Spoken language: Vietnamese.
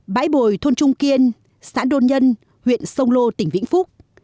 bãi bồi thôn trung kiên xã đôn nhân huyện sông lô tỉnh vĩnh phúc